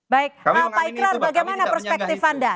baik pak ikrar bagaimana perspektif anda